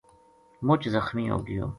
مُچ زخمی ہو گیو